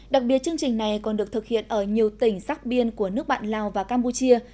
đặc biệt chương trình này còn được thực hiện ở nhiều tỉnh sắc biên của nước bạn lào và campuchia